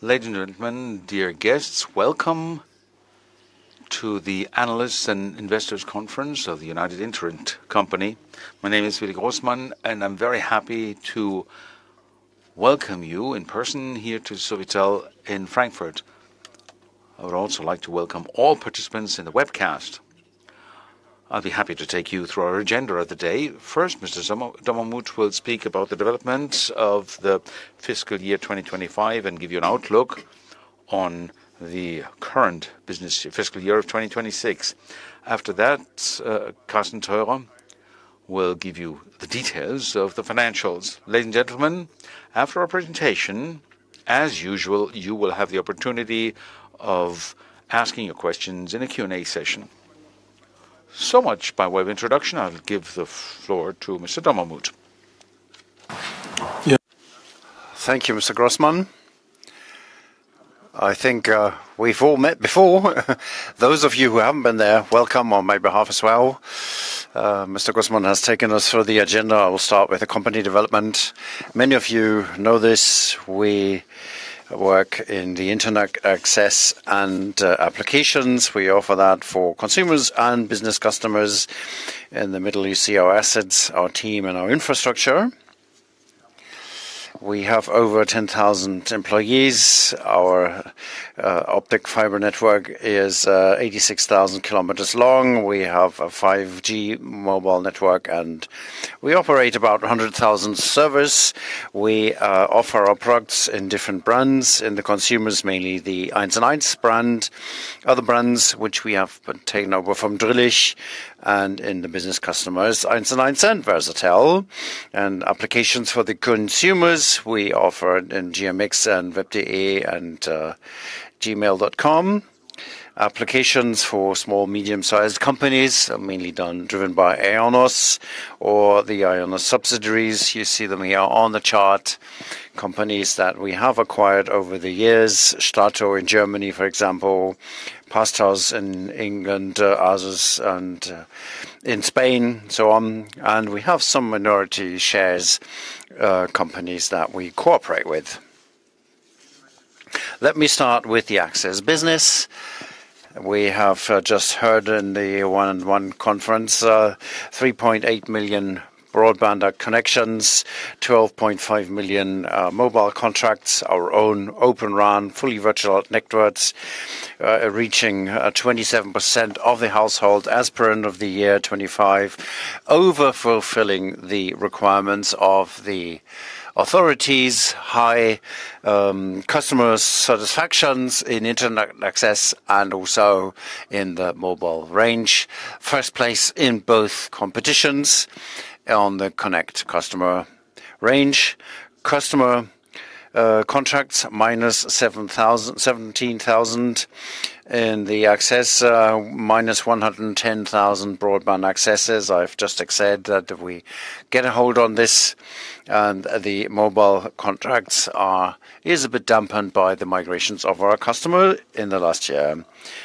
Ladies and gentlemen, dear guests, welcome to the Analysts and Investors Conference of the United Internet company. My name is Dominic Großman and I'm very happy to welcome you in person here to Sofitel in Frankfurt. I would also like to welcome all participants in the webcast. I'll be happy to take you through our agenda of the day. First, Mr. Dommermuth will speak about the development of the fiscal year 2025 and give you an outlook on the current business fiscal year of 2026. After that, Carsten Theurer will give you the details of the financials. Ladies and gentlemen, after our presentation, as usual, you will have the opportunity of asking your questions in a Q&A session. So much by way of introduction, I'll give the floor to Mr. Dommermuth. Yeah. Thank you, Mr. Großman. I think, we've all met before. Those of you who haven't been there, welcome on my behalf as well. Mr. Großman has taken us through the agenda. I will start with the company development. Many of you know this. We work in the internet access and applications. We offer that for consumers and business customers. In the middle, you see our assets, our team and our infrastructure. We have over 10,000 employees. Our optic fiber network is 86,000 kilometers long. We have a 5G mobile network, and we operate about 100,000 servers. We offer our products in different brands. In the consumers mainly the 1&1 brand. Other brands which we have taken over from Drillisch and in the business customers, 1&1 and Versatel. Applications for the consumers, we offer in GMX and Web.de and mail.com. Applications for small, medium-sized companies are mainly driven by IONOS or the IONOS subsidiaries. You see them here on the chart. Companies that we have acquired over the years, Strato in Germany, for example, Fasthosts in England, others and in Spain, so on. We have some minority shares, companies that we cooperate with. Let me start with the access business. We have just heard in the 1&1 conference, 3.8 million broadband connections, 12.5 million mobile contracts. Our own Open RAN, fully virtual networks, reaching 27% of the household as per end of the year 2025, overfulfilling the requirements of the authorities. High customer satisfactions in internet access and also in the mobile range. First place in both competitions on the Connect customer range. Customer contracts minus 17,000. In the access, minus 110,000 broadband accesses. I've just said that we get a hold on this, and the mobile contracts is a bit dampened by the migrations of our customer in the last year.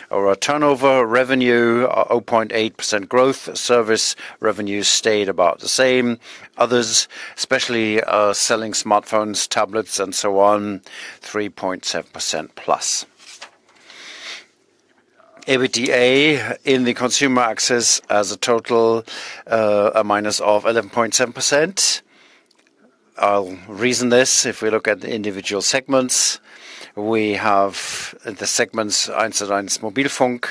Our turnover revenue, 0.8% growth. Service revenue stayed about the same. Others, especially, selling smartphones, tablets and so on, +3.7%. EBITDA in the consumer access as a total, a minus of 11.7%. I'll reason this if we look at the individual segments. We have the segments, 1&1 Mobilfunk,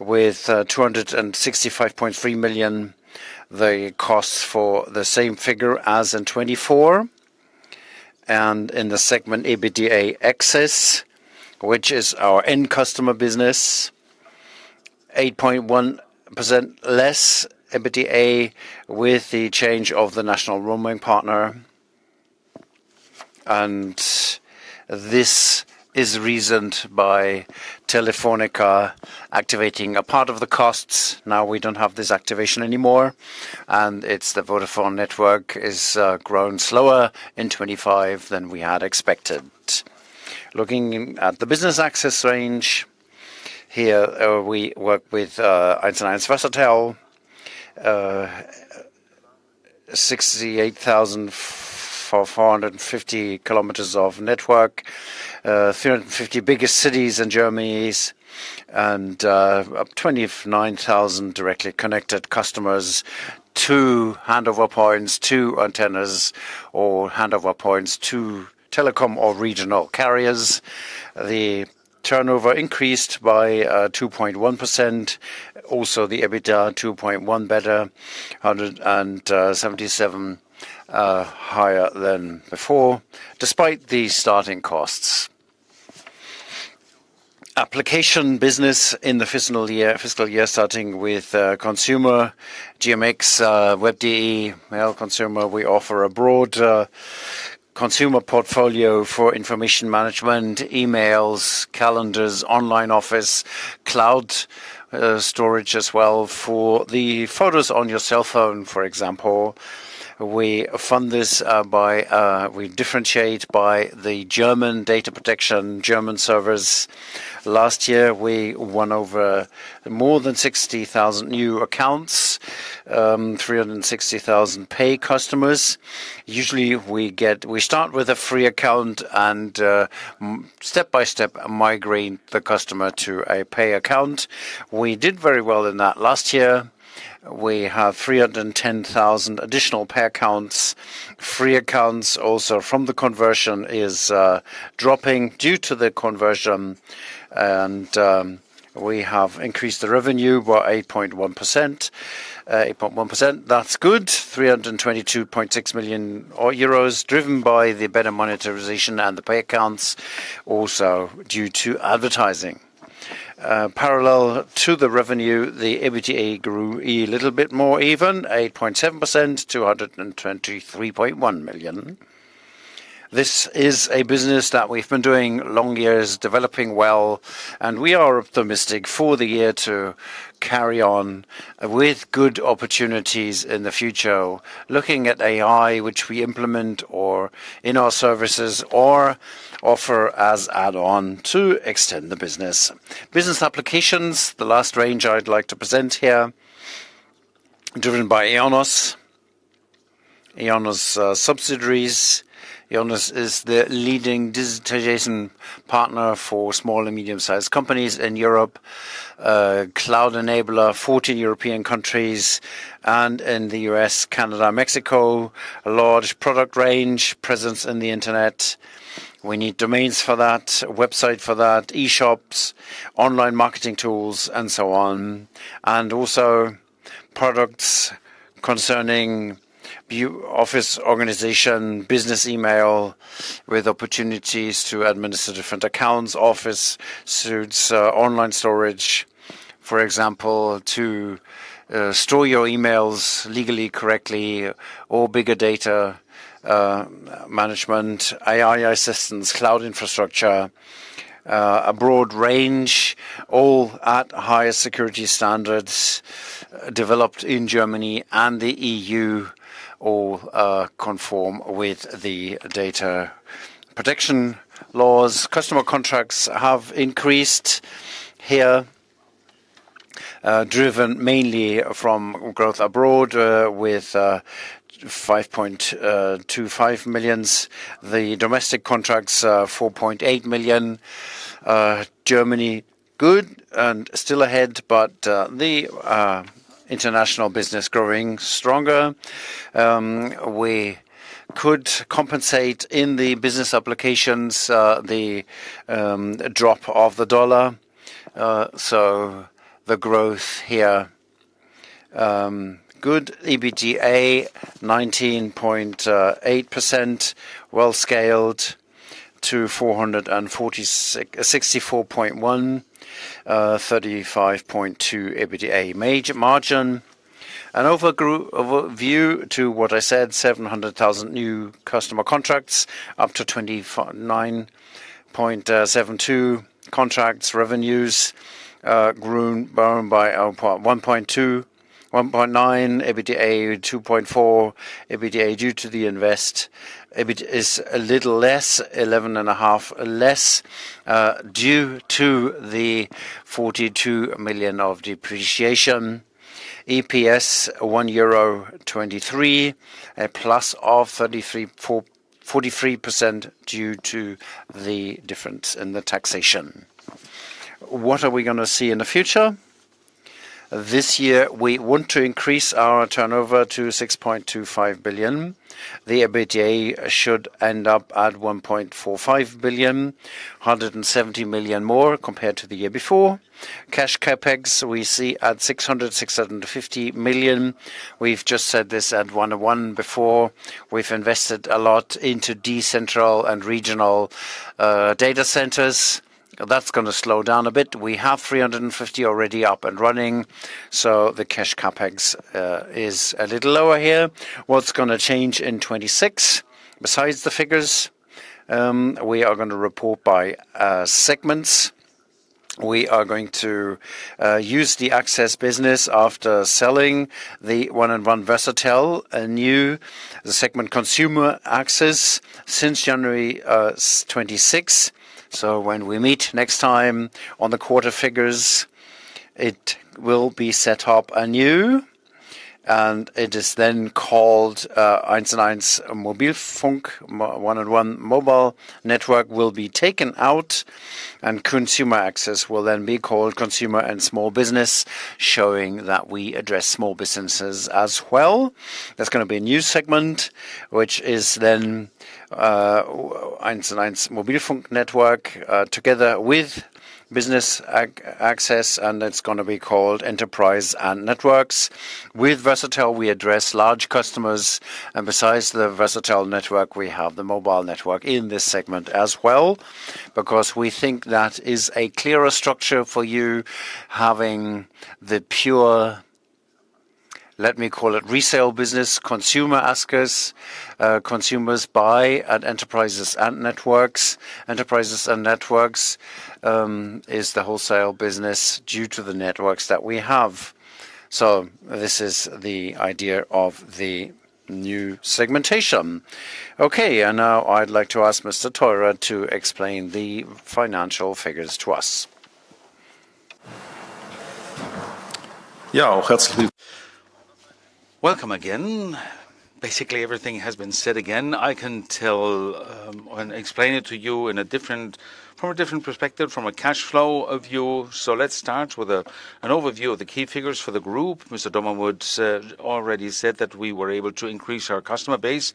with, 265.3 million. The costs for the same figure as in 2024. In the segment EBITDA access, which is our end customer business, 8.1% less EBITDA with the change of the national roaming partner. This is reasoned by Telefónica activating a part of the costs. Now we don't have this activation anymore, and it's the Vodafone network has grown slower in 2025 than we had expected. Looking at the business access range, here we work with 1&1 Versatel. 68,000 for 450 km of network. 350 biggest cities in Germany and up 29,000 directly connected customers. Two handover points, two antennas or handover points, two telecom or regional carriers. The turnover increased by 2.1%. Also, the EBITDA 2.1 better, 177 higher than before, despite the starting costs. Applications business in the fiscal year starting with consumer GMX, Web.de. Well, consumer, we offer a broad consumer portfolio for information management, emails, calendars, online office, cloud storage as well for the photos on your cell phone, for example. We fund this by we differentiate by the German data protection, German servers. Last year, we won over more than 60,000 new accounts, 360,000 paid customers. Usually we start with a free account and step by step migrate the customer to a pay account. We did very well in that last year. We have 310,000 additional pay accounts. Free accounts also from the conversion is dropping due to the conversion, and we have increased the revenue by 8.1%. 8.1%, that's good. 322.6 million, or euros, driven by the better monetization and the pay accounts also due to advertising. Parallel to the revenue, the EBT grew a little bit more even, 8.7%, 223.1 million. This is a business that we've been doing long years, developing well, and we are optimistic for the year to carry on with good opportunities in the future. Looking at AI, which we implement or in our services, or offer as add-on to extend the business. Business applications, the last range I'd like to present here, driven by IONOS. IONOS subsidiaries. IONOS is the leading digitization partner for small and medium-sized companies in Europe. Cloud enabler, 40 European countries and in the U.S., Canada, Mexico. A large product range, presence on the Internet. We need domains for that, website for that, e-shops, online marketing tools and so on. Also products concerning business office organization, business email with opportunities to administer different accounts, office suites, online storage, for example, to store your emails legally, correctly or big data management, AI assistance, cloud infrastructure, a broad range, all at higher security standards developed in Germany and the EU, all conform with the data protection laws. Customer contracts have increased here, driven mainly from growth abroad, with 5.25 million. The domestic contracts are 4.8 million. Germany good and still ahead, but the international business growing stronger. We could compensate in the business applications the drop of the dollar. The growth here good. EBITDA 19.8%, scaled to 464.1, 35.2% EBITDA margin. An overview to what I said, 700,000 new customer contracts, up to 29.72 contracts. Revenues grown by 1.2, 1.9. EBITDA 2.4. EBITDA due to the investment EBITDA is a little less, 11.5% less, due to the 42 million of depreciation. EPS 1.23 euro, a plus of 43% due to the difference in the taxation. What are we gonna see in the future? This year, we want to increase our turnover to 6.25 billion. The EBITDA should end up at 1.45 billion, 170 million more compared to the year before. Cash CapEx, we see at 600-650 million. We've just said this at 1&1 before. We've invested a lot into decentral and regional data centers. That's gonna slow down a bit. We have 350 already up and running, so the cash CapEx is a little lower here. What's gonna change in 2026? Besides the figures, we are gonna report by segments. We are going to use the access business after selling the 1&1 Versatel anew, the segment consumer access since January 2026. When we meet next time on the quarter figures, it will be set up anew, and it is then called 1&1 Mobilfunk. 1&1 mobile network will be taken out, and consumer access will then be called consumer and small business, showing that we address small businesses as well. There's gonna be a new segment, which is then 1&1 Mobilfunk network together with business access, and it's gonna be called Enterprise and Networks. With Versatel, we address large customers, and besides the Versatel network, we have the mobile network in this segment as well because we think that is a clearer structure for you having the pure, let me call it resale business, consumer access. Consumers buy at Enterprise and Networks. Enterprise and Networks is the wholesale business due to the networks that we have. This is the idea of the new segmentation. Okay, and now I'd like to ask Mr. Theurer to explain the financial figures to us. Yeah. Welcome again. Basically, everything has been said again. I can tell and explain it to you in a different perspective, from a cash flow point of view. Let's start with an overview of the key figures for the group. Mr. Dommermuth already said that we were able to increase our customer base.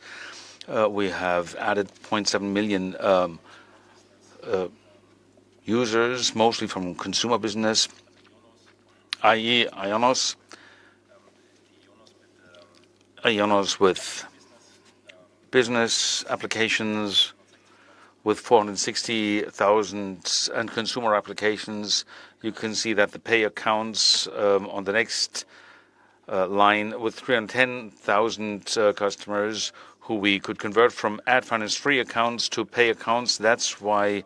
We have added 0.7 million users, mostly from consumer business, i.e., IONOS. IONOS with Business Applications with 460,000, and consumer applications. You can see that the pay accounts on the next line with 310,000 customers who we could convert from ad-financed free accounts to pay accounts. That's why,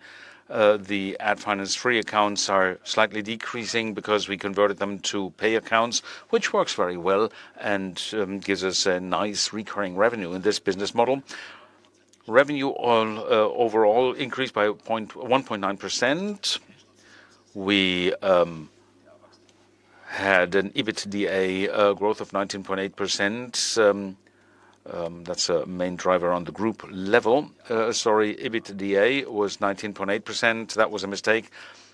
the ad-financed free accounts are slightly decreasing because we converted them to pay accounts, which works very well and gives us a nice recurring revenue in this business model. Overall revenue increased by 1.9%. We had an EBITDA growth of 19.8%. That's a main driver on the group level. Sorry, EBITDA was 19.8%. That was a mistake.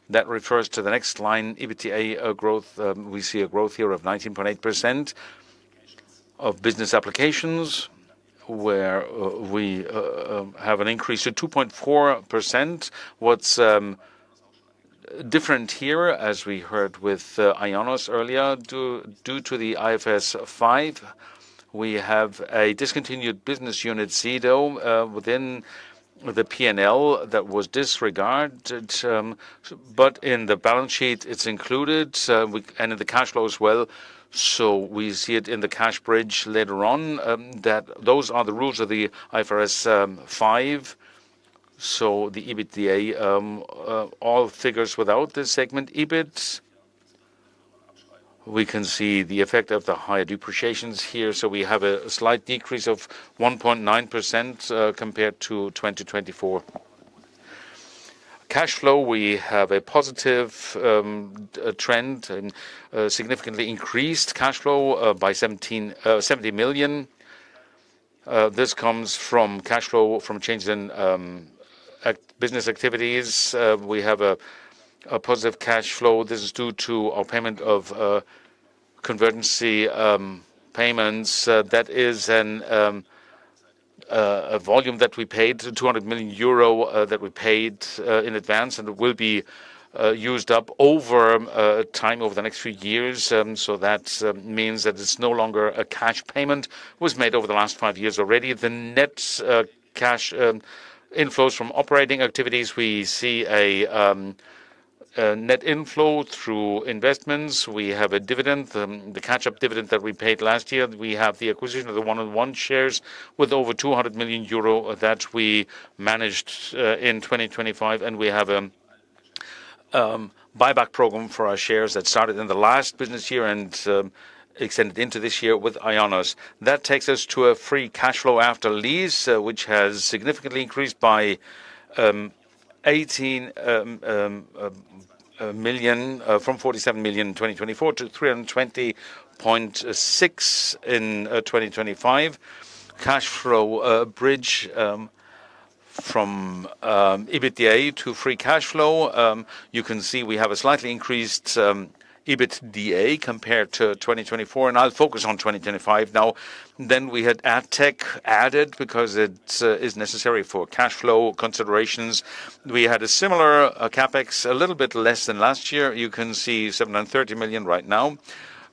That refers to the next line, EBITDA growth. We see a growth here of 19.8% of Business Applications where we have an increase to 2.4%. What's different here, as we heard with IONOS earlier, due to the IFRS 5, we have a discontinued business unit, Sedo, within the P&L that was disregarded. In the balance sheet it's included and in the cash flow as well. We see it in the cash bridge later on, that those are the rules of the IFRS 5. The EBITDA, all figures without the segment EBIT. We can see the effect of the higher depreciations here. We have a slight decrease of 1.9%, compared to 2024. Cash flow, we have a positive trend and significantly increased cash flow by 70 million. This comes from cash flow from changes in business activities. We have a positive cash flow. This is due to our payment of contingency payments. That is a volume that we paid 200 million euro in advance and will be used up over time over the next few years. That means that it's no longer a cash payment. Was made over the last five years already. The net cash inflows from operating activities, we see a net outflow through investments. We have a dividend, the catch-up dividend that we paid last year. We have the acquisition of the 1&1 shares with over 200 million euro that we managed in 2025. We have buyback program for our shares that started in the last business year and extended into this year with IONOS. That takes us to a free cash flow after lease, which has significantly increased by 18 million from 47 million in 2024 to 320.6 million in 2025. Cash flow bridge from EBITDA to free cash flow. You can see we have a slightly increased EBITDA compared to 2024, and I'll focus on 2025 now. We had AdTech added because it's necessary for cash flow considerations. We had a similar CapEx, a little bit less than last year. You can see 730 million right now.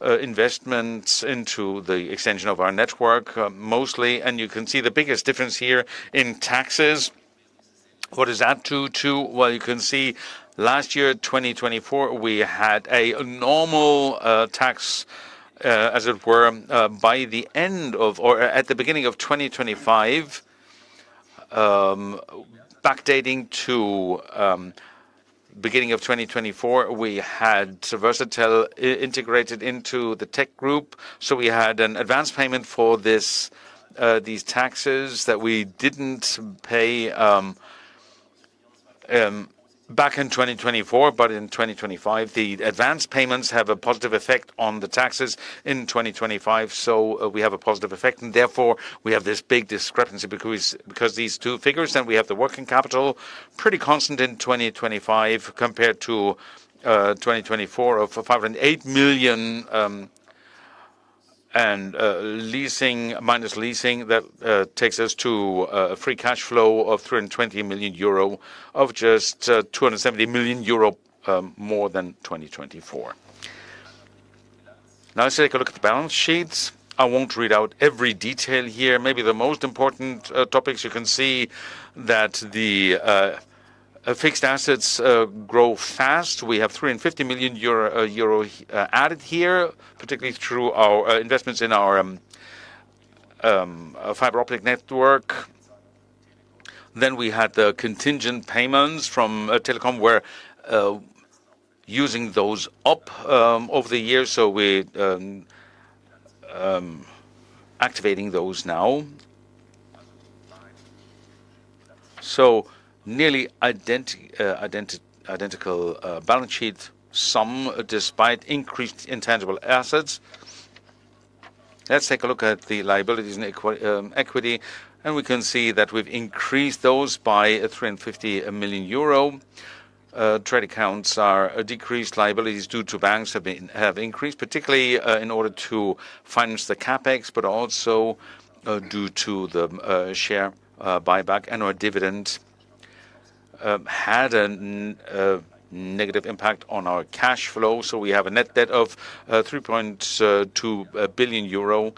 Investments into the extension of our network, mostly, and you can see the biggest difference here in taxes. What is that due to? Well, you can see last year, 2024, we had a normal tax as it were by the end of or at the beginning of 2025. Backdating to beginning of 2024, we had Versatel integrated into the tech group. We had an advance payment for these taxes that we didn't pay back in 2024, but in 2025. The advanced payments have a positive effect on the taxes in 2025, so we have a positive effect, and therefore we have this big discrepancy because these two figures. We have the working capital, pretty constant in 2025 compared to 2024 of 508 million, and leasing minus leasing. That takes us to free cash flow of 320 million euro of just 270 million euro more than 2024. Now let's take a look at the balance sheets. I won't read out every detail here. Maybe the most important topics you can see that the fixed assets grow fast. We have 350 million euro added here, particularly through our investments in our fiber optic network. We had the contingent payments from telecom. We're using those up over the years, so we're activating those now. Nearly identical balance sheet same despite increased intangible assets. Let's take a look at the liabilities and equity, and we can see that we've increased those by 350 million euro. Trade accounts are decreased. Liabilities due to banks have increased, particularly in order to finance the CapEx, but also due to the share buyback and our dividend had a negative impact on our cash flow. We have a net debt of 3.2 billion euro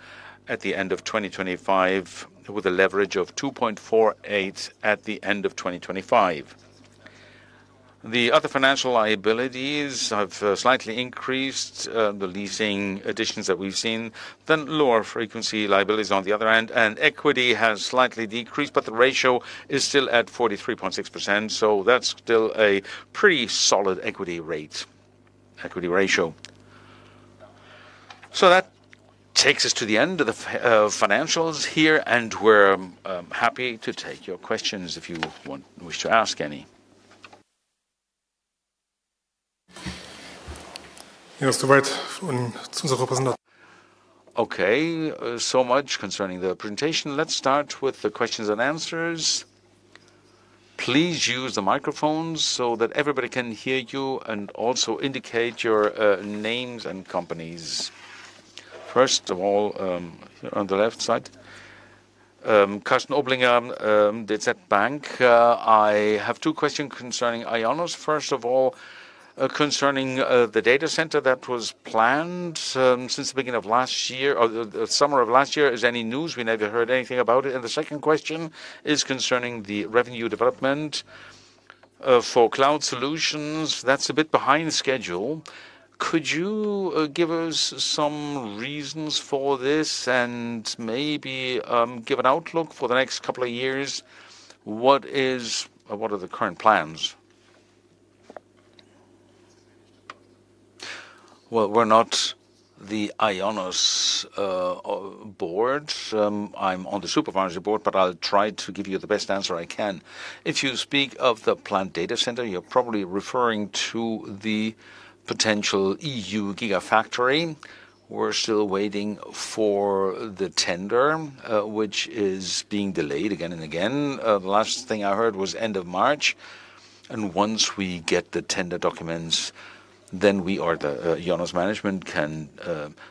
at the end of 2025, with a leverage of 2.48 at the end of 2025. The other financial liabilities have slightly increased, the leasing additions that we've seen, then lower refinancing liabilities on the other end. Equity has slightly decreased, but the ratio is still at 43.6%, so that's still a pretty solid equity rate, equity ratio. That takes us to the end of the financials here, and we're happy to take your questions if you wish to ask any. Okay, so much concerning the presentation. Let's start with the questions and answers. Please use the microphones so that everybody can hear you, and also indicate your names and companies. First of all, on the left side, Karsten Oblinger, DZ Bank. I have two questions concerning IONOS. First of all, concerning the data center that was planned since the beginning of last year or the summer of last year. Is there any news? We never heard anything about it. The second question is concerning the revenue development for cloud solutions. That's a bit behind schedule. Could you give us some reasons for this and maybe give an outlook for the next couple of years? What are the current plans? Well, we're not the IONOS board. I'm on the supervisory board, but I'll try to give you the best answer I can. If you speak of the planned data center, you're probably referring to the potential EU gigafactory. We're still waiting for the tender, which is being delayed again and again. The last thing I heard was end of March. Once we get the tender documents, then we or the IONOS management can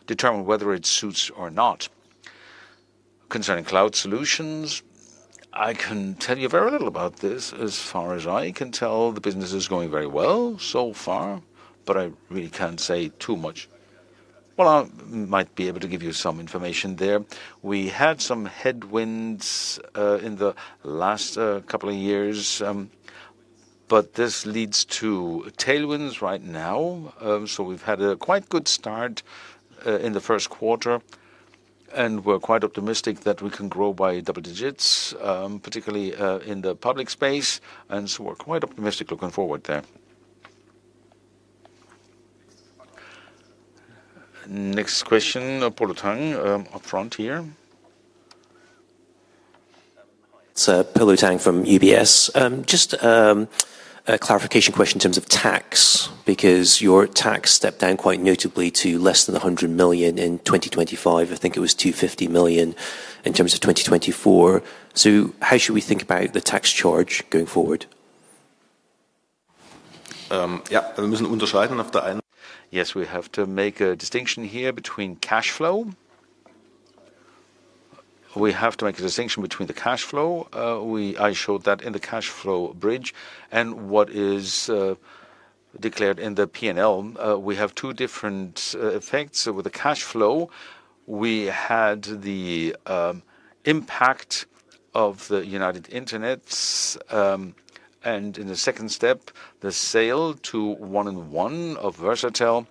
determine whether it suits or not. Concerning cloud solutions, I can tell you very little about this. As far as I can tell, the business is going very well so far, but I really can't say too much. Well, I might be able to give you some information there. We had some headwinds in the last couple of years, but this leads to tailwinds right now. We've had a quite good start in the first quarter, and we're quite optimistic that we can grow by double digits, particularly in the public space, and so we're quite optimistic looking forward there. Next question, Polo Tang, up front here. It's Polo Tang from UBS. Just a clarification question in terms of tax, because your tax stepped down quite notably to less than 100 million in 2025. I think it was 250 million in terms of 2024. How should we think about the tax charge going forward? Yes, we have to make a distinction here between cash flow. I showed that in the cash flow bridge and what is declared in the P&L. We have two different effects. With the cash flow, we had the impact of the United Internet's, and in the second step, the sale to 1&1 of Versatel.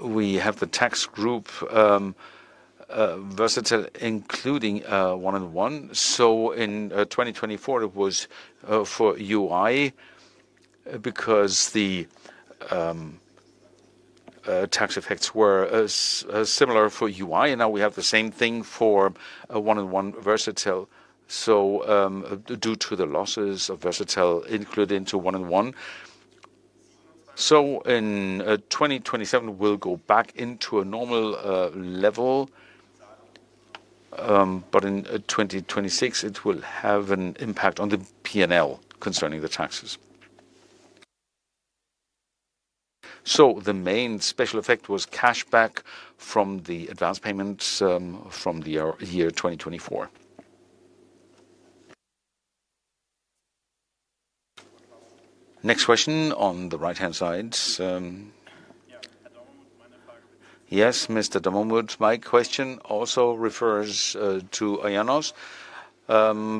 We have the tax group Versatel, including 1&1. In 2024, it was for UI because the tax effects were similar for UI, and now we have the same thing for 1&1 Versatel. Due to the losses of Versatel included into 1&1. In 2027, we'll go back into a normal level. In 2026, it will have an impact on the P&L concerning the taxes. The main special effect was cash back from the advanced payments from the year 2024. Next question on the right-hand side. Yes, Mr. Dommermuth. My question also refers to IONOS,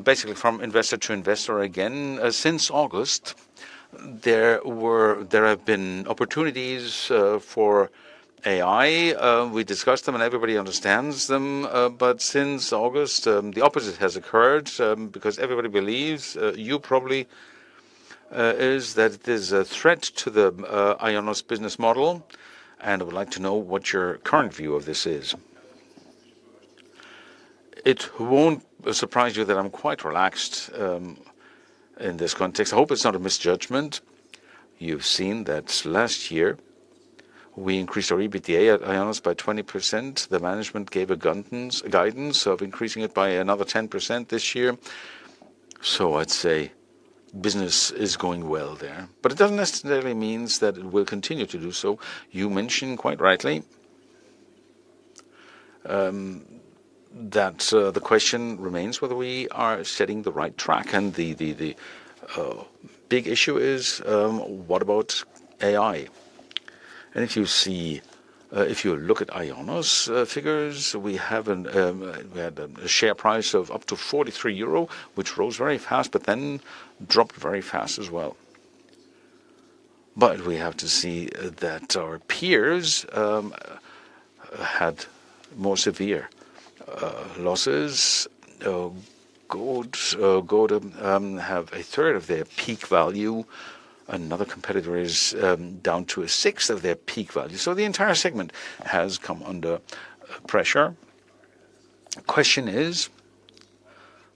basically from investor to investor again. Since August, there have been opportunities for AI. We discussed them and everybody understands them. But since August, the opposite has occurred, because everybody believes that it is a threat to the IONOS business model, and I would like to know what your current view of this is. It won't surprise you that I'm quite relaxed in this context. I hope it's not a misjudgment. You've seen that last year we increased our EBITDA at IONOS by 20%. The management gave guidance of increasing it by another 10% this year. I'd say business is going well there, but it doesn't necessarily mean that it will continue to do so. You mentioned quite rightly that the question remains whether we are on the right track and the big issue is what about AI. If you look at IONOS figures, we had a share price of up to 43 euro, which rose very fast, but then dropped very fast as well. We have to see that our peers had more severe losses. GoDaddy have a third of their peak value. Another competitor is down to a sixth of their peak value. The entire segment has come under pressure. Question is,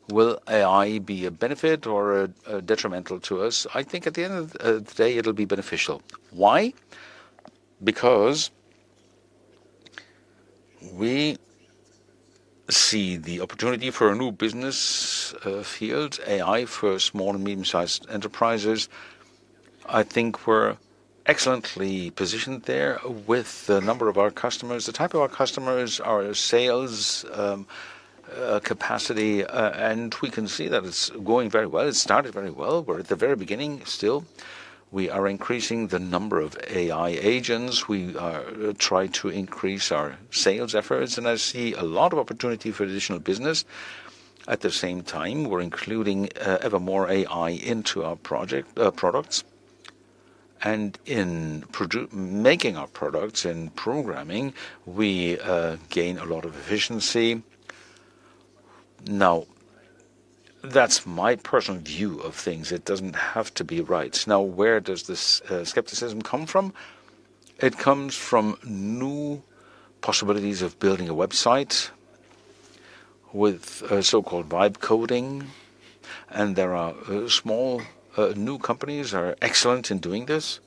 will AI be a benefit or detrimental to us? I think at the end of the day, it'll be beneficial. Why? Because we see the opportunity for a new business field, AI for small and medium-sized enterprises. I think we're excellently positioned there with a number of our customers, the type of our customers, our sales capacity, and we can see that it's going very well. It started very well. We're at the very beginning still. We are increasing the number of AI agents. We try to increase our sales efforts, and I see a lot of opportunity for additional business. At the same time, we're including ever more AI into our products. Making our products, in programming, we gain a lot of efficiency. Now, that's my personal view of things. It doesn't have to be right. Now, where does this skepticism come from? It comes from new possibilities of building a website with so-called vibe coding. There are small new companies are excellent in doing this.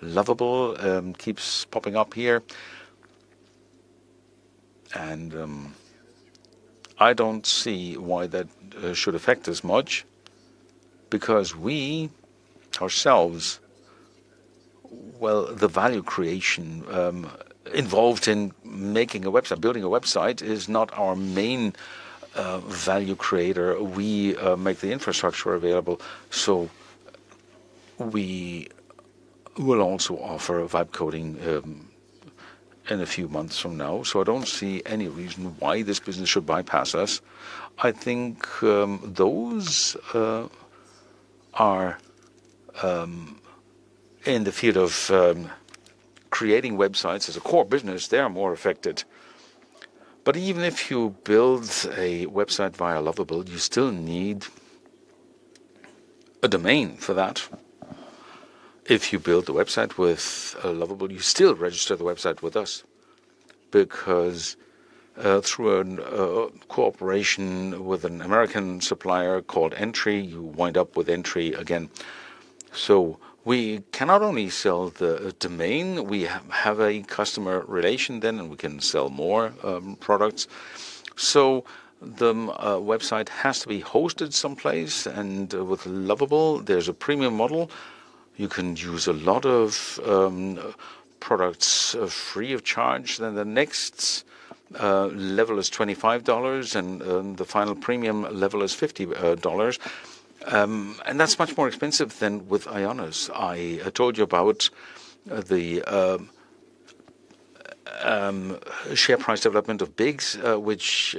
Lovable keeps popping up here. I don't see why that should affect us much because we ourselves. Well, the value creation involved in making a website, building a website is not our main value creator. We make the infrastructure available. We will also offer vibe coding in a few months from now. I don't see any reason why this business should bypass us. I think those are in the field of creating websites as a core business, they are more affected. Even if you build a website via Lovable, you still need a domain for that. If you build a website with Lovable, you still register the website with us because through a cooperation with an American supplier called Entri, you wind up with Entri again. We can not only sell the domain, we have a customer relation then, and we can sell more products. The website has to be hosted someplace, and with Lovable, there's a premium model. You can use a lot of products free of charge. The next level is $25 and the final premium level is $50. That's much more expensive than with IONOS. I told you about the share price development of Wix, which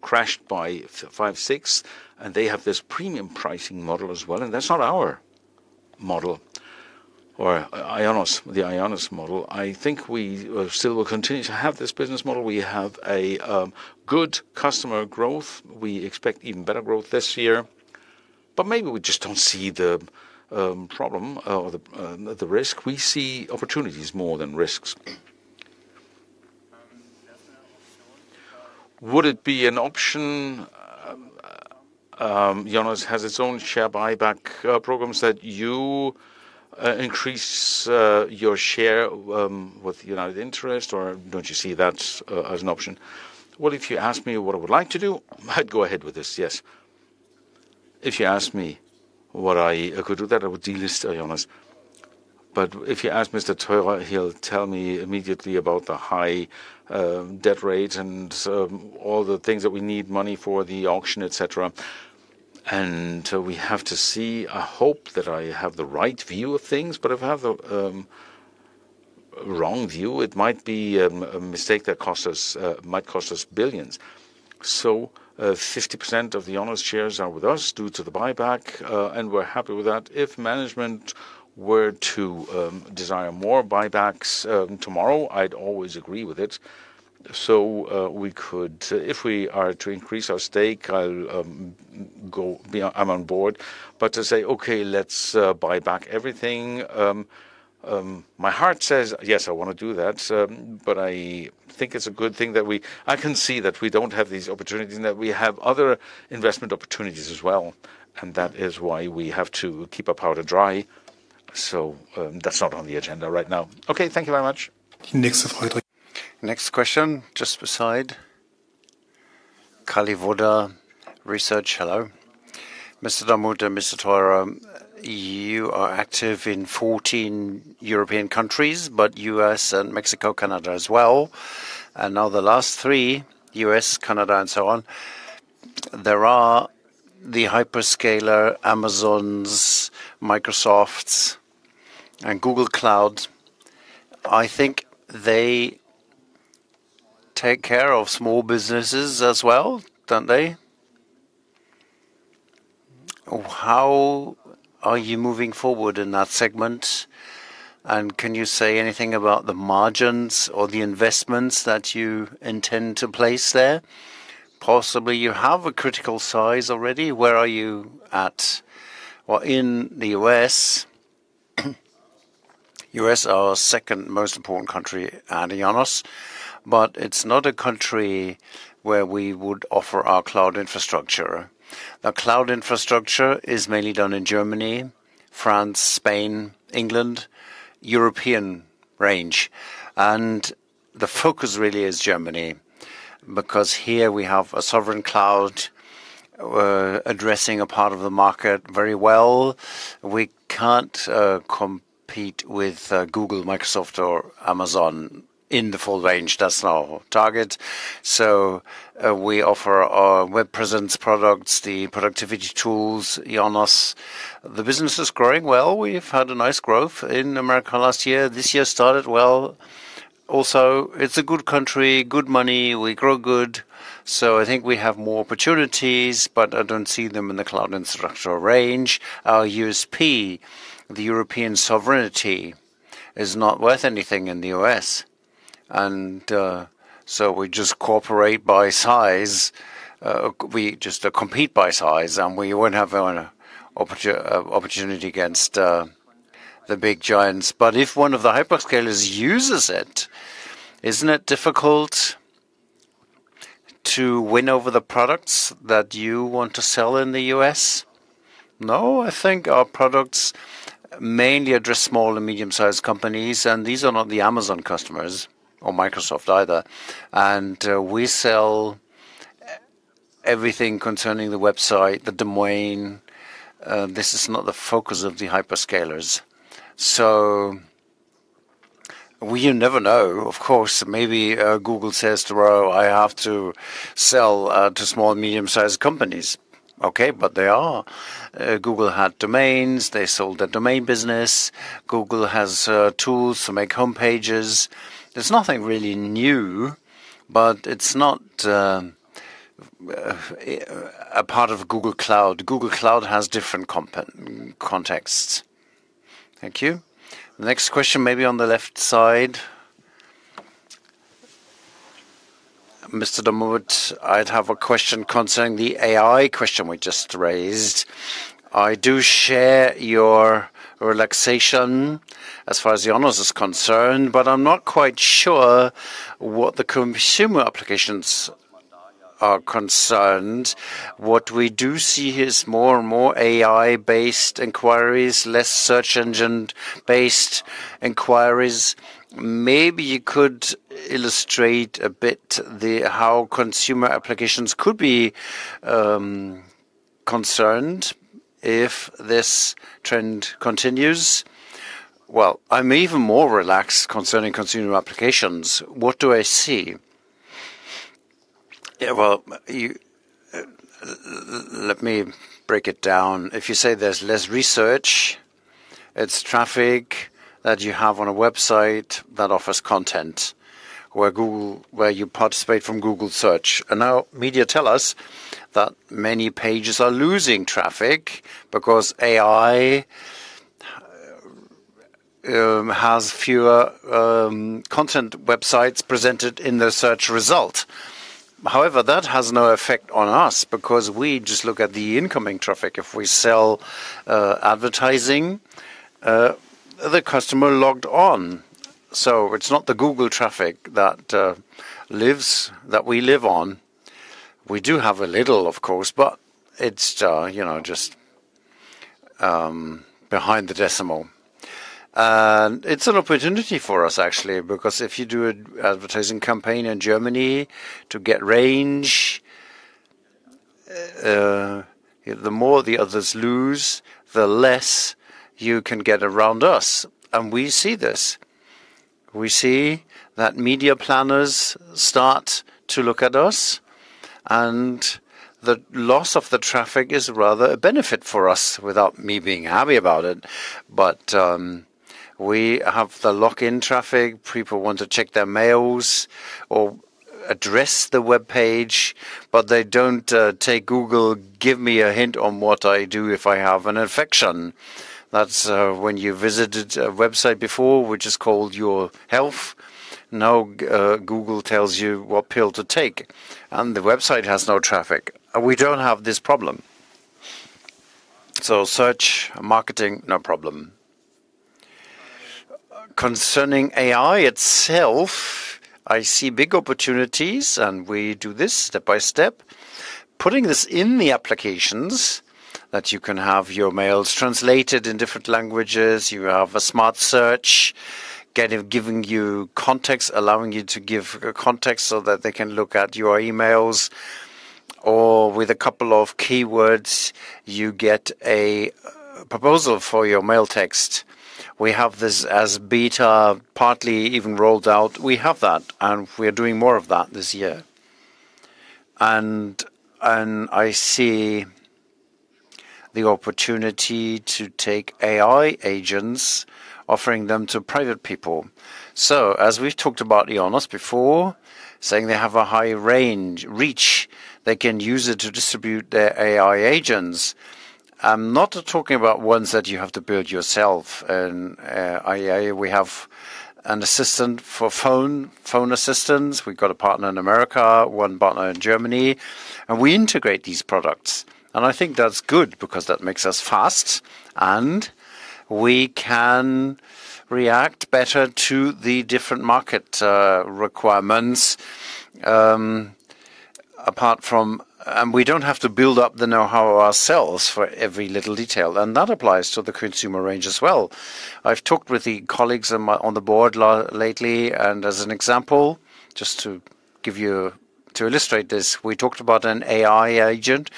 crashed by five sixths, and they have this premium pricing model as well, and that's not our model or IONOS, the IONOS model. I think we still will continue to have this business model. We have a good customer growth. We expect even better growth this year, but maybe we just don't see the problem or the risk. We see opportunities more than risks. Would it be an option, IONOS has its own share buyback programs that you increase your share with United Internet, or don't you see that as an option? Well, if you ask me what I would like to do, I'd go ahead with this, yes. If you ask me what I could do with that, I would delist IONOS. If you ask Carsten Theurer, he'll tell me immediately about the high debt rate and all the things that we need money for the auction, et cetera. We have to see. I hope that I have the right view of things, but if I have the wrong view, it might be a mistake that might cost us billions. 50% of the IONOS shares are with us due to the buyback, and we're happy with that. If management were to desire more buybacks tomorrow, I'd always agree with it. We could, if we are to increase our stake, I'm on board. To say, "Okay, let's buy back everything," my heart says, "Yes, I wanna do that," but I think it's a good thing that I can see that we don't have these opportunities and that we have other investment opportunities as well, and that is why we have to keep our powder dry. That's not on the agenda right now. Okay, thank you very much. Next question, just beside. Kali Voda Research. Hello. Mr. Dommermuth and Mr. Theurer, you are active in 14 European countries, but US and Mexico, Canada as well. Now the last three, US, Canada and so on, there are the hyperscaler Amazons, Microsofts and Google Clouds. I think they take care of small businesses as well, don't they? How are you moving forward in that segment? Can you say anything about the margins or the investments that you intend to place there? Possibly you have a critical size already. Where are you at or in the US? US are our second most important country at IONOS, but it's not a country where we would offer our cloud infrastructure. Our cloud infrastructure is mainly done in Germany, France, Spain, England, European range. The focus really is Germany, because here we have a sovereign cloud addressing a part of the market very well. We can't compete with Google, Microsoft or Amazon in the full range. That's our target. We offer our web presence products, the productivity tools, IONOS. The business is growing well. We've had a nice growth in America last year. This year started well also. It's a good country, good money, we grow good. I think we have more opportunities, but I don't see them in the cloud infrastructure range. Our USP, the European sovereignty, is not worth anything in the U.S. We just cooperate by size. We just compete by size, and we wouldn't have an opportunity against the big giants. If one of the hyperscalers uses it, isn't it difficult to win over the products that you want to sell in the US? No, I think our products mainly address small and medium-sized companies, and these are not the Amazon customers or Microsoft either. We sell everything concerning the website, the domain. This is not the focus of the hyperscalers. Well you never know. Of course, maybe, Google says, "Well, I have to sell to small and medium-sized companies." Okay, but they are. Google had domains. They sold their domain business. Google has tools to make homepages. There's nothing really new, but it's not a part of Google Cloud. Google Cloud has different contexts. Thank you. The next question may be on the left side. Mr. Dommermuth, I'd have a question concerning the AI question we just raised. I do share your relaxation as far as IONOS is concerned, but I'm not quite sure what the consumer applications are concerned. What we do see is more and more AI-based inquiries, less search engine-based inquiries. Maybe you could illustrate a bit how consumer applications could be concerned if this trend continues. Well, I'm even more relaxed concerning consumer applications. What do I see? Yeah, well, you let me break it down. If you say there's less research, it's traffic that you have on a website that offers content, where Google, where you participate from Google search. Now media tell us that many pages are losing traffic because AI has fewer content websites presented in the search result. However, that has no effect on us because we just look at the incoming traffic. If we sell advertising, the customer logged on. It's not the Google traffic that we live on. We do have a little, of course, but it's you know, just behind the decimal. It's an opportunity for us actually, because if you do an advertising campaign in Germany to get reach, the more the others lose, the less you can get around us. We see this. We see that media planners start to look at us, and the loss of the traffic is rather a benefit for us without me being happy about it. We have the lock-in traffic. People want to check their mails or access the webpage, but they don't take Google, give me a hint on what I do if I have an infection. That's when you visited a website before, which is called your health. Now Google tells you what pill to take, and the website has no traffic. We don't have this problem. Search marketing, no problem. Concerning AI itself, I see big opportunities, and we do this step by step, putting this in the applications that you can have your mails translated in different languages. You have a smart search, giving you context, allowing you to give context so that they can look at your emails or with a couple of keywords, you get a proposal for your mail text. We have this as beta, partly even rolled out. We have that, and we are doing more of that this year. I see the opportunity to take AI agents offering them to private people. As we've talked about IONOS before, saying they have a high reach, they can use it to distribute their AI agents. I'm not talking about ones that you have to build yourself. In AI, we have an assistant for phone assistants. We've got a partner in America, one partner in Germany, and we integrate these products. I think that's good because that makes us fast, and we can react better to the different market requirements, apart from. We don't have to build up the know-how ourselves for every little detail. That applies to the consumer range as well. I've talked with the colleagues on the board lately, and as an example, to illustrate this, we talked about an AI agent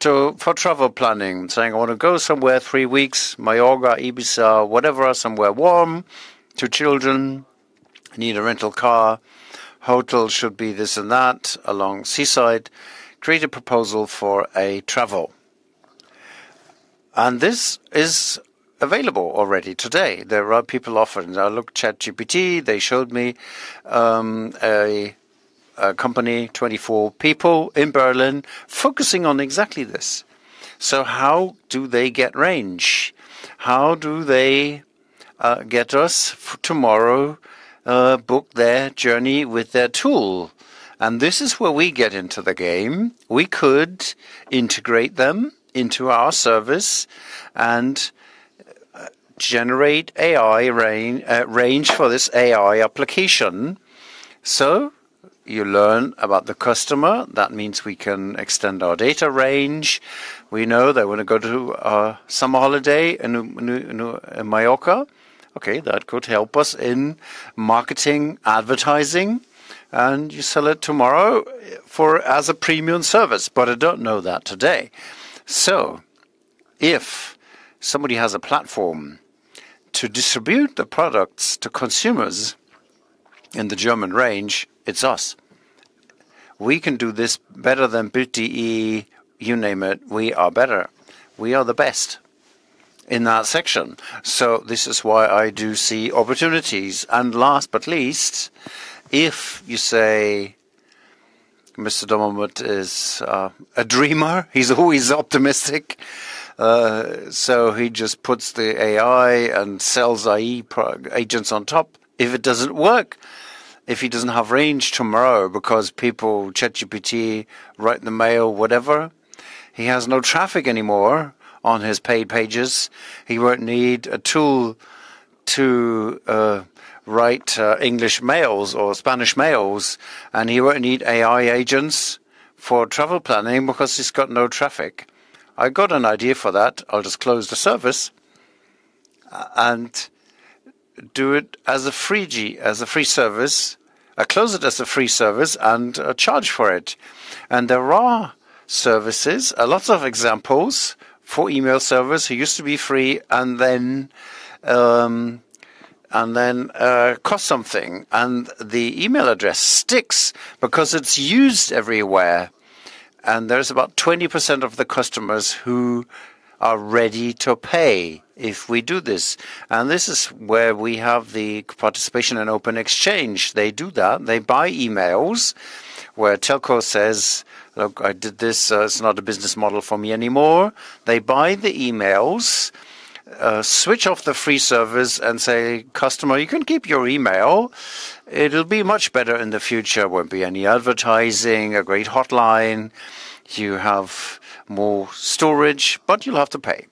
for travel planning, saying, "I want to go somewhere three weeks, Mallorca, Ibiza, whatever, somewhere warm, two children, need a rental car, hotel should be this and that, along seaside. Create a proposal for a travel. This is available already today. There are people offering. I looked ChatGPT, they showed me a company, 24 people in Berlin focusing on exactly this. How do they get reach? How do they get users to book their journey with their tool? This is where we get into the game. We could integrate them into our service and generate AI reach for this AI application. You learn about the customer. That means we can extend our data reach. We know they want to go to a summer holiday in Mallorca. Okay, that could help us in marketing, advertising, and you sell it as a premium service, but I don't know that today. If somebody has a platform to distribute the products to consumers in the German reach, it's us. We can do this better than BT, you name it. We are better. We are the best in that section. This is why I do see opportunities. Last but not least, if you say Mr. Dommermuth is a dreamer, he's always optimistic, so he just puts the AI and sells AI agents on top. If it doesn't work, if he doesn't have range tomorrow because people, ChatGPT, write emails, whatever, he has no traffic anymore on his paid pages. He won't need a tool to write English emails or Spanish emails, and he won't need AI agents for travel planning because he's got no traffic. I got an idea for that. I'll just close the service and do it as a free service. I close it as a free service and charge for it. There are services, a lot of examples for email service who used to be free and then, and then, cost something. The email address sticks because it's used everywhere. There's about 20% of the customers who are ready to pay if we do this. This is where we have the participation in Open-Xchange. They do that. They buy emails where Telco says, "Look, I did this. It's not a business model for me anymore." They buy the emails, switch off the free service and say, "Customer, you can keep your email. It'll be much better in the future. Won't be any advertising, a great hotline. You have more storage, but you'll have to pay."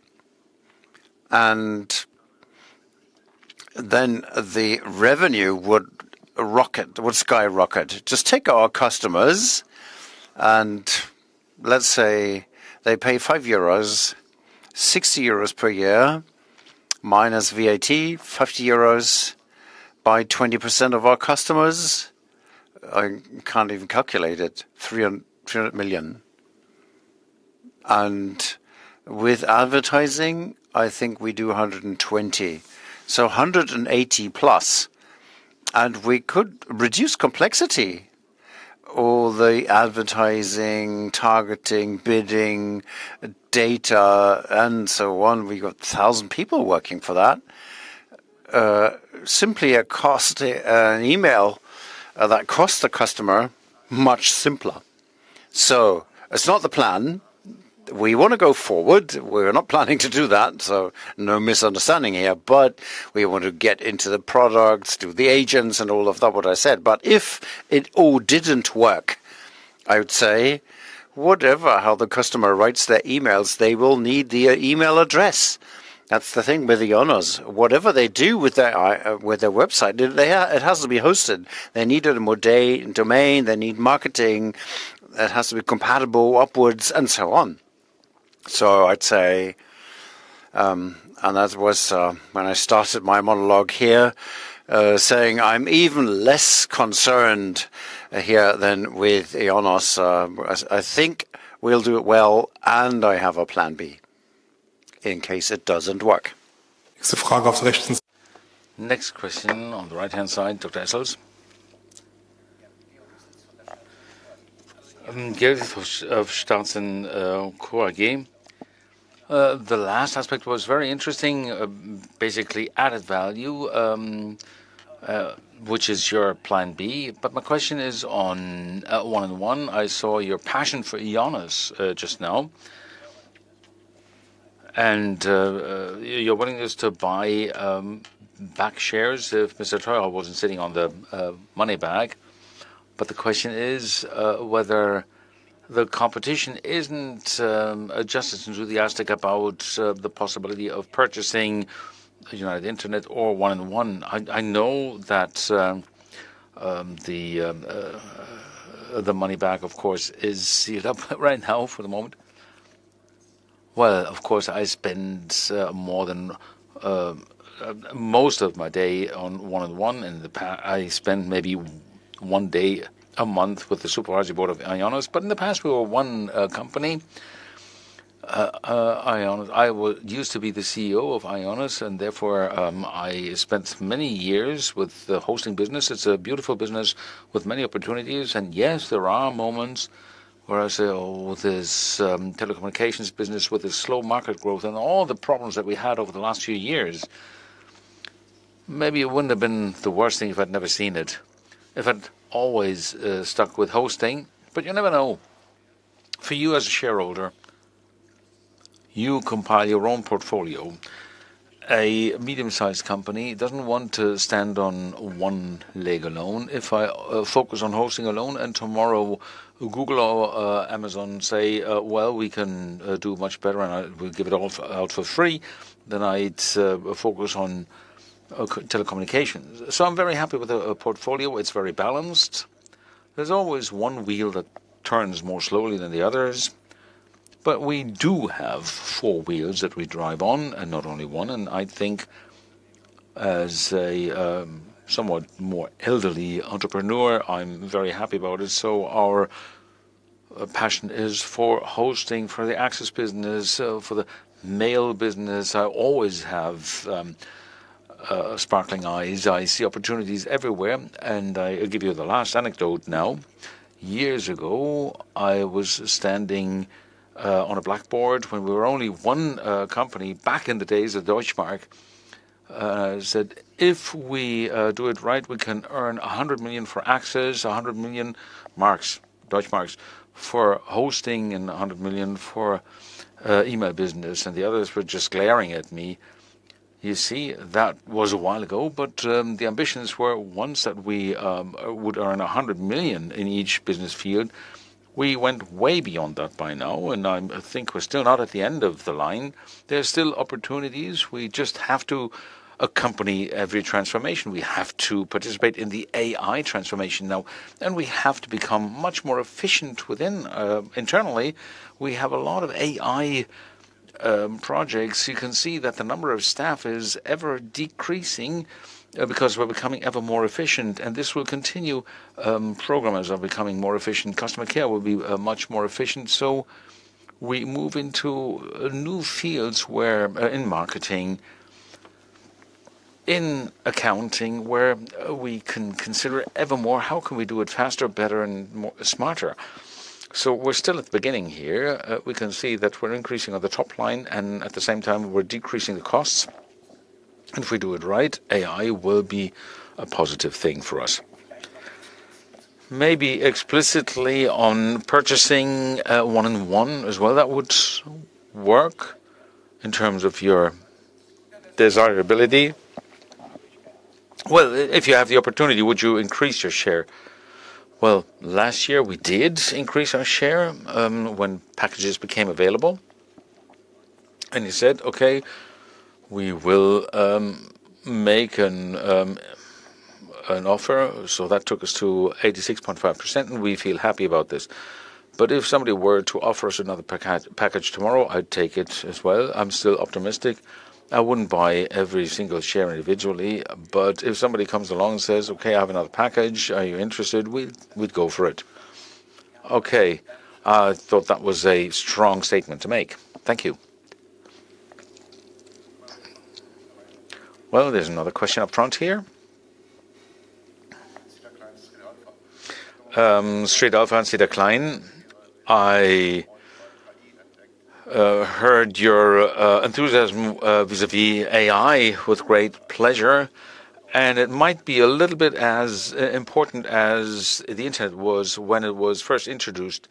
Then the revenue would rocket, would skyrocket. Just take our customers, and let's say they pay 5.60 euros per year, minus VAT, 50 euros by 20% of our customers. I can't even calculate it. 300 million. With advertising, I think we do 120 million. 180 million plus. We could reduce complexity. All the advertising, targeting, bidding, data, and so on. We got 1,000 people working for that. Simply a cost, an email that costs the customer much simpler. It's not the plan. We wanna go forward. We're not planning to do that, so no misunderstanding here, but we want to get into the products, do the agents and all of that what I said. If it all didn't work. I would say whatever how the customer writes their emails, they will need the email address. That's the thing with IONOS. Whatever they do with their website, they, it has to be hosted. They need a domain, they need marketing that has to be compatible upwards and so on. I'd say, and that was when I started my monologue here, saying I'm even less concerned here than with IONOS. I think we'll do it well, and I have a plan B in case it doesn't work. Next question on the right-hand side. Dr. Essos. Gareth of Stutzen, Core Game. The last aspect was very interesting, basically added value, which is your plan B. My question is on 1&1. I saw your passion for IONOS, just now, and your willingness to buy back shares if Mr. Theurer wasn't sitting on the money bag. The question is whether the competition isn't just as enthusiastic about the possibility of purchasing United Internet or 1&1. I know that the money back, of course, is sealed up right now for the moment. Well, of course, I spend maybe one day a month with the supervisory board of IONOS. In the past, we were one company. IONOS. I used to be the CEO of IONOS, and therefore, I spent many years with the hosting business. It's a beautiful business with many opportunities. Yes, there are moments where I say, "Oh, this telecommunications business with this slow market growth and all the problems that we had over the last few years," maybe it wouldn't have been the worst thing if I'd never seen it, if I'd always stuck with hosting. You never know. For you as a shareholder, you compile your own portfolio. A medium-sized company doesn't want to stand on one leg alone. If I focus on hosting alone and tomorrow Google or Amazon say, "Well, we can do much better, and I will give it all for free," then I'd focus on telecommunications. I'm very happy with the portfolio. It's very balanced. There's always one wheel that turns more slowly than the others, but we do have four wheels that we drive on, and not only one. I think as a somewhat more elderly entrepreneur, I'm very happy about it. Our passion is for hosting, for the access business, for the mail business. I always have sparkling eyes. I see opportunities everywhere. I give you the last anecdote now. Years ago, I was standing at a blackboard when we were only one company back in the days of Deutschmark. Said, "If we do it right, we can earn DEM 100 million for access, DEM 100 million marks, Deutschmarks for hosting and DEM 100 million for email business." The others were just glaring at me. You see, that was a while ago, but the ambitions were ones that we would earn DEM 100 million in each business field. We went way beyond that by now, and I think we're still not at the end of the line. There's still opportunities. We just have to accompany every transformation. We have to participate in the AI transformation now, and we have to become much more efficient within internally. We have a lot of AI projects. You can see that the number of staff is ever decreasing because we're becoming ever more efficient, and this will continue. Programmers are becoming more efficient. Customer care will be much more efficient. We move into new fields where in marketing, in accounting, where we can consider evermore how can we do it faster, better and smarter. We're still at the beginning here. We can see that we're increasing on the top line, and at the same time, we're decreasing the costs. If we do it right, AI will be a positive thing for us. Maybe explicitly on purchasing, 1&1 as well. That would work in terms of your desirability. Well, if you have the opportunity, would you increase your share? Well, last year we did increase our share, when packages became available, and you said, "Okay, we will make an offer." That took us to 86.5%, and we feel happy about this. If somebody were to offer us another package tomorrow, I'd take it as well. I'm still optimistic. I wouldn't buy every single share individually, but if somebody comes along and says, "Okay, I have another package. Are you interested?" We'd go for it. Okay. I thought that was a strong statement to make. Thank you. Well, there's another question up front here. Straight off, Hans de Klein. I heard your enthusiasm vis-a-vis AI with great pleasure, and it might be a little bit as important as the internet was when it was first introduced.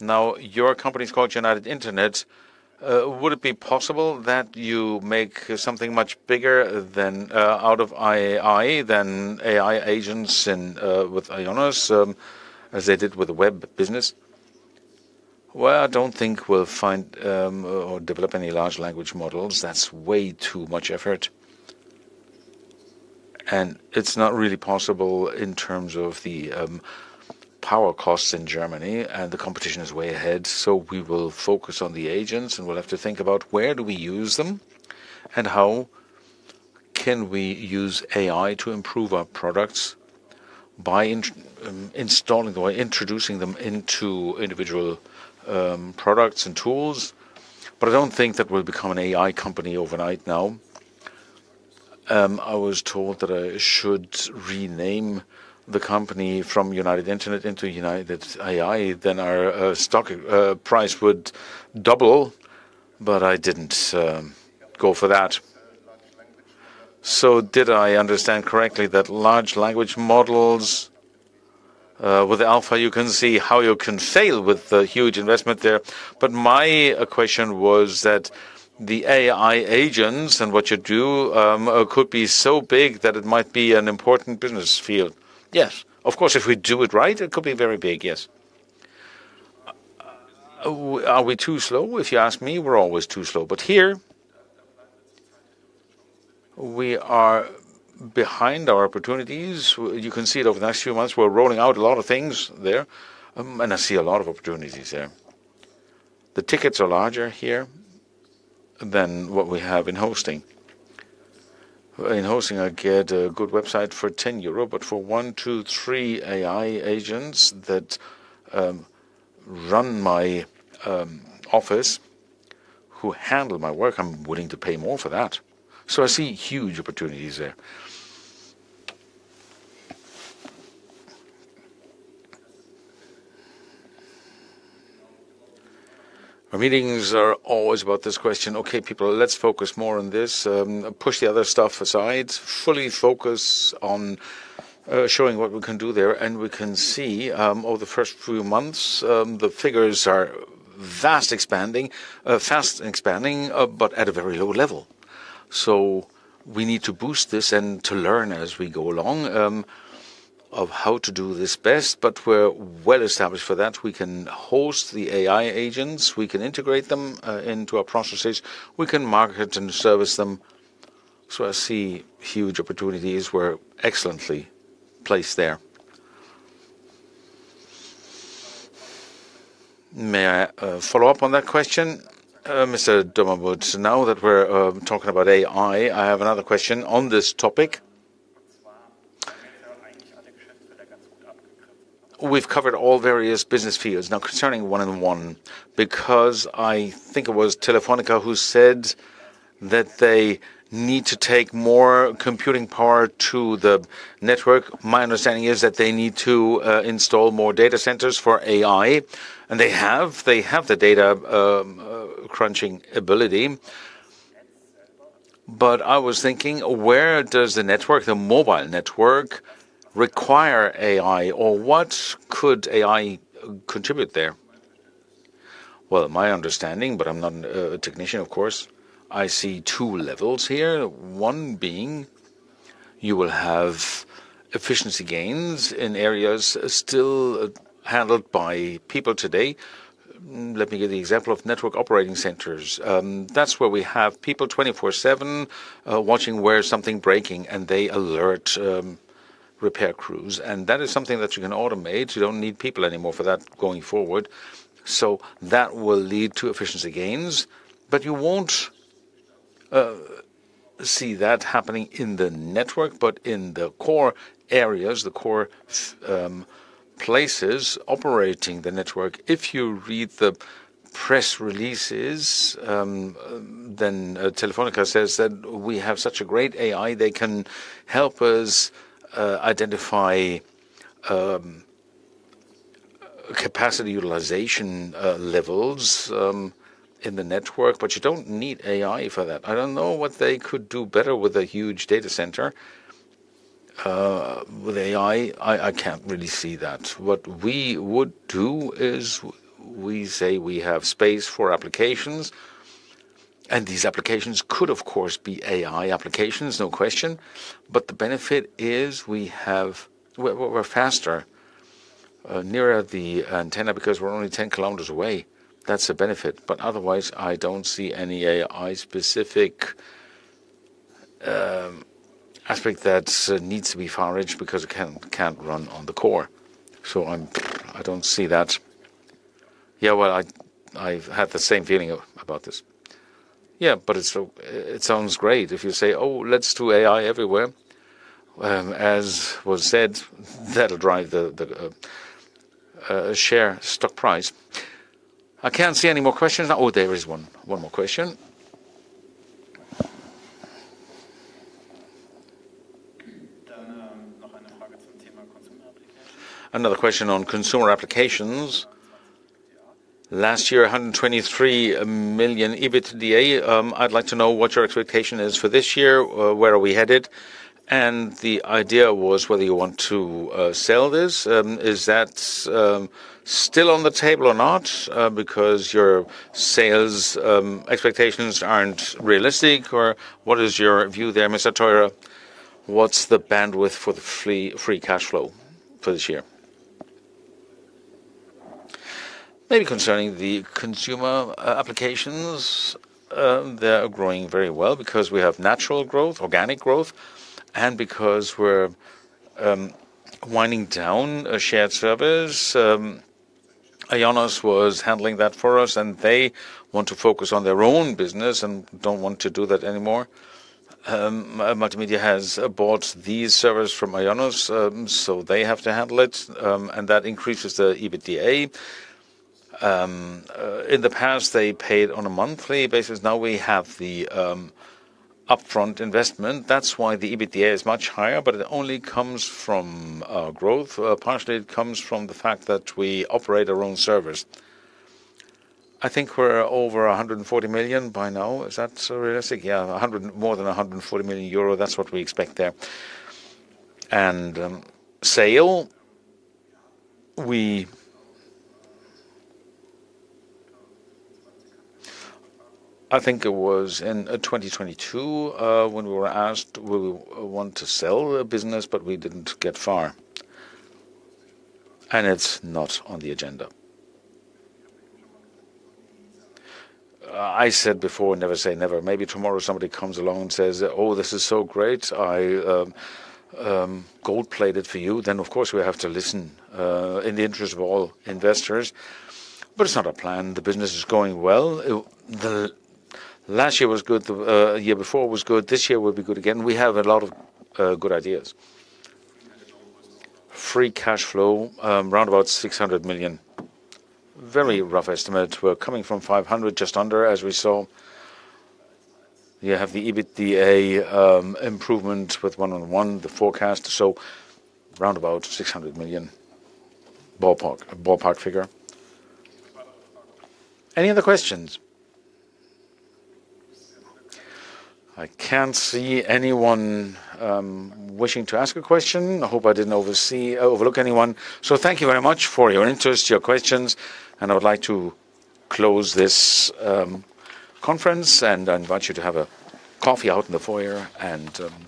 Now, your company is called United Internet. Would it be possible that you make something much bigger out of AI than AI agents and with IONOS as they did with the web business? Well, I don't think we'll find or develop any large language models. That's way too much effort, and it's not really possible in terms of the power costs in Germany, and the competition is way ahead. We will focus on the agents, and we'll have to think about where do we use them and how can we use AI to improve our products by installing or introducing them into individual products and tools. But I don't think that we'll become an AI company overnight now. I was told that I should rename the company from United Internet into United AI, then our stock price would double, but I didn't go for that. Did I understand correctly that large language models with Aleph Alpha you can see how you can fail with the huge investment there. But my question was that the AI agents and what you do could be so big that it might be an important business field. Yes. Of course, if we do it right, it could be very big. Yes. Are we too slow? If you ask me, we're always too slow. Here we are behind our opportunities. You can see it over the next few months, we're rolling out a lot of things there, and I see a lot of opportunities there. The tickets are larger here than what we have in hosting. In hosting, I get a good website for 10 euro, but for one, two, three AI agents that run my office, who handle my work, I'm willing to pay more for that. I see huge opportunities there. Our meetings are always about this question, "Okay, people, let's focus more on this, push the other stuff aside, fully focus on, showing what we can do there." We can see over the first few months, the figures are fast expanding but at a very low level. We need to boost this and to learn as we go along of how to do this best. We're well established for that. We can host the AI agents, we can integrate them into our processes, we can market and service them. I see huge opportunities. We're excellently placed there. May I follow up on that question, Mr. Dommermuth? Now that we're talking about AI, I have another question on this topic. We've covered all various business fields. Now, concerning 1&1, because I think it was Telefónica who said that they need to take more computing power to the network. My understanding is that they need to install more data centers for AI, and they have. They have the data crunching ability. But I was thinking, where does the network, the mobile network require AI, or what could AI contribute there? Well, my understanding, but I'm not a technician, of course, I see two levels here. One being you will have efficiency gains in areas still handled by people today. Let me give the example of network operating centers. That's where we have people 24/7 watching where something breaking, and they alert repair crews, and that is something that you can automate. You don't need people anymore for that going forward. That will lead to efficiency gains. You won't see that happening in the network, but in the core areas, the core places operating the network. If you read the press releases, then Telefónica says that we have such a great AI, they can help us identify capacity utilization levels in the network. You don't need AI for that. I don't know what they could do better with a huge data center with AI. I can't really see that. What we would do is we say we have space for applications, and these applications could, of course, be AI applications, no question. The benefit is we're faster nearer the antenna because we're only 10 km away. That's a benefit. Otherwise, I don't see any AI specific aspect that needs to be far-fetched because it can't run on the core. I don't see that. Yeah. Well, I've had the same feeling about this. Yeah, but it sounds great if you say, "Oh, let's do AI everywhere." As was said, that'll drive the stock price. I can't see any more questions. Oh, there is one. One more question. Another question on consumer applications. Last year, 123 million EBITDA. I'd like to know what your expectation is for this year. Where are we headed? The idea was whether you want to sell this. Is that still on the table or not? Because your sales expectations aren't realistic. Or what is your view there, Mr. Theurer? What's the bandwidth for the free cash flow for this year? Maybe concerning the consumer applications, they are growing very well because we have natural growth, organic growth, and because we're winding down a shared service. IONOS was handling that for us, and they want to focus on their own business and don't want to do that anymore. 1&1 Mail & Media has bought these servers from IONOS, so they have to handle it, and that increases the EBITDA. In the past, they paid on a monthly basis. Now we have the upfront investment. That's why the EBITDA is much higher, but it only comes from growth. Partially it comes from the fact that we operate our own servers. I think we're over 140 million by now. Is that realistic? Yeah, 100, more than 140 million euro. That's what we expect there. Sale. I think it was in 2022, when we were asked, we want to sell a business, but we didn't get far, and it's not on the agenda. I said before, never say never. Maybe tomorrow somebody comes along and says, "Oh, this is so great. I gold-plate it for you." Then, of course, we have to listen in the interest of all investors. But it's not a plan. The business is going well. The last year was good. The year before was good. This year will be good again. We have a lot of good ideas. Free cash flow around about 600 million. Very rough estimate. We're coming from just under EUR 500, as we saw. You have the EBITDA improvement with 1&1, the forecast. Around about 600 million ballpark figure. Any other questions? I can't see anyone wishing to ask a question. I hope I didn't overlook anyone. Thank you very much for your interest, your questions, and I would like to close this conference, and I invite you to have a coffee out in the foyer and see you.